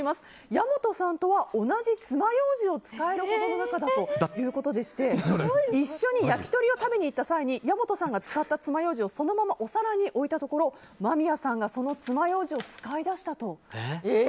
矢本さんとは同じつまようじを使えるほどの仲だということでして一緒に焼き鳥を食べに行った際に矢本さんが使ったつまようじをそのままお皿に置いたところ間宮さんがそのつまようじを使い出したと。